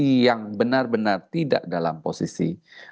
ini yang benar benar tidak dalam posisi